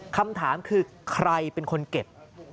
คำถามคือใครเป็นคนเก็บ